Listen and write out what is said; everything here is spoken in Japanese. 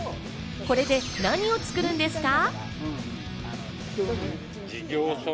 これで何を作るんですか？